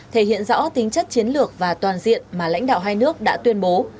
thể hiện rõ tính chất chiến lược và toàn diện mà lãnh đạo hai nước đã tuyên bố